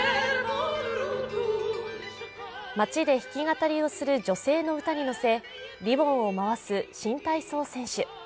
街で弾き語りをする女性の歌にのせ、リボンを回す新体操選手。